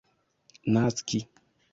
naski